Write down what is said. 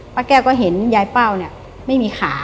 พระแก้วก็เห็นยายเป้าเนี่ยไม่มีขา